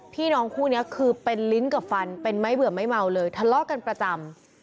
พี่น้องคู่นี้คือเป็นลิ้นกับฟันเป็นไม้เบื่อไม่เมาเลยทะเลาะกันประจำ